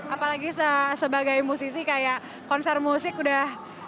apalagi sebagai musisi kayak konser musik udah